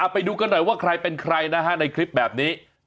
ไปดูกันหน่อยว่าใครเป็นใครนะฮะในคลิปแบบนี้